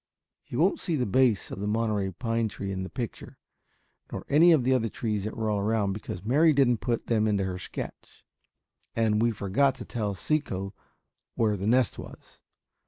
You won't see the base of the Monterey pine tree in the picture, nor any of the other trees that were all around, because Mary didn't put them into her sketch, and we forgot to tell Sekko where the nest was.